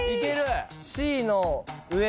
Ｃの上で。